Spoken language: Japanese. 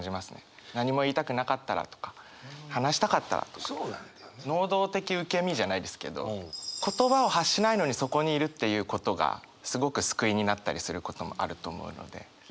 「何も言いたくなかったら」とか「話したかったら」とか能動的受け身じゃないですけど言葉を発しないのにそこにいるっていうことがすごく救いになったりすることもあると思うので。